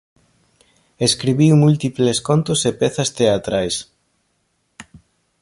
Escribiu múltiples contos e pezas teatrais.